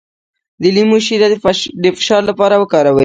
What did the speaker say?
د لیمو شیره د فشار لپاره وکاروئ